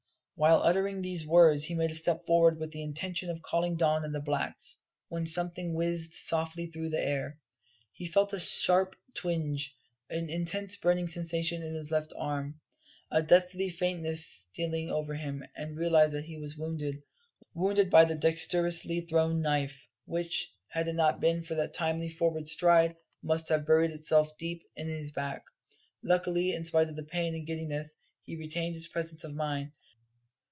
While uttering these words he made a step forward with the intention of calling Don and the blacks, when something whizzed swiftly through the air, he felt a sharp twinge, an intense burning sensation in his left arm, a deathly faintness stealing over him, and realised that he was wounded wounded by a dexterously thrown knife, which, had it not been for that timely forward stride, must have buried itself deep in his back. Luckily, in spite of the pain and giddiness, he retained his presence of mind.